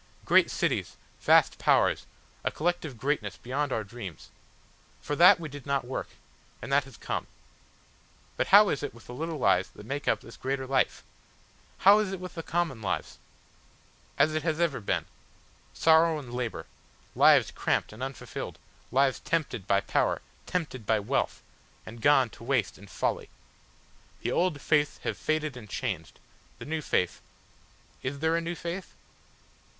"Great cities, vast powers, a collective greatness beyond our dreams. For that we did not work, and that has come. But how is it with the little lives that make up this greater life? How is it with the common lives? As it has ever been sorrow and labour, lives cramped and unfulfilled, lives tempted by power, tempted by wealth, and gone to waste and folly. The old faiths have faded and changed, the new faith . Is there a new faith?